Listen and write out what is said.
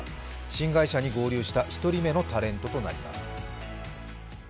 新会社に合流した１人目のタレントとなります。